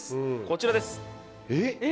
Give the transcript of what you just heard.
こちらです。え？